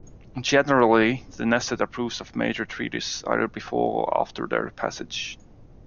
Generally, the Knesset approves of major treaties either before or after their passage.